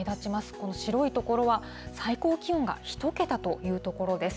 この白い所は、最高気温が１桁という所です。